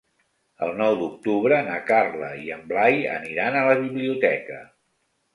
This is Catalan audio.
El nou d'octubre na Carla i en Blai aniran a la biblioteca.